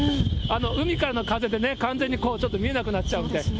海からの風で完全にちょっと見えなくなっちゃうんで。